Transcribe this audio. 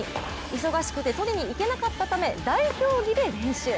忙しくて取りに行けなかったため代表着で練習。